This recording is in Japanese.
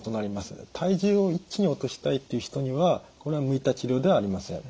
体重を一気に落としたいっていう人にはこれは向いた治療ではありません。